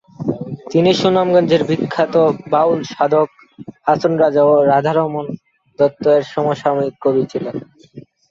তিনি সুনামগঞ্জের বিখ্যাত বাউল সাধক হাছন রাজা ও রাধারমণ দত্ত এর সমসাময়িক কবি ছিলেন।